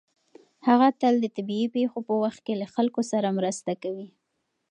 هغه تل د طبیعي پېښو په وخت کې له خلکو سره مرسته کوي.